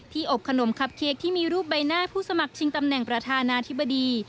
อบขนมคับเค้กที่มีรูปใบหน้าผู้สมัครชิงตำแหน่งประธานาธิบดี